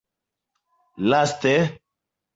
laste